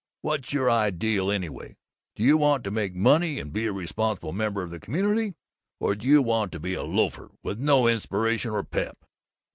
What's your Ideal, anyway? Do you want to make money and be a responsible member of the community, or do you want to be a loafer, with no Inspiration or Pep?"